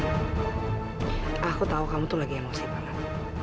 aku tahu kamu tuh lagi emosi banget